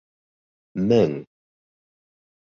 Мең